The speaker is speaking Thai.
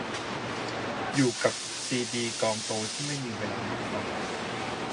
อยู่กับซีดีกองโตที่ไม่มีเวลานั่งฟัง